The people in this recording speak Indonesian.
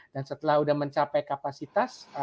dan setelah sudah mencapai kapasitas